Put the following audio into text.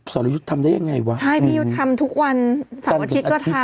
สรยุทธ์ทำได้ยังไงวะใช่พี่ยุทธ์ทำทุกวันเสาร์อาทิตย์ก็ทำ